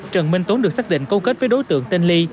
trần binh tuấn được xác định cấu kết với đối tượng tên ly